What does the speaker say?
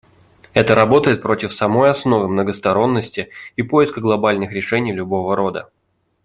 Это работает против самой основы многосторонности и поиска глобальных решений любого рода.